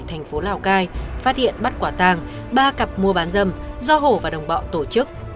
thành phố lào cai phát hiện bắt quả tàng ba cặp mua bán dâm do hổ và đồng bọn tổ chức